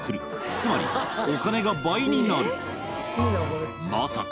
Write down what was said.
つまりお金が倍になるまさか